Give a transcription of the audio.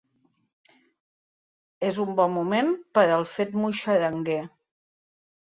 És un bon moment per al fet muixeranguer.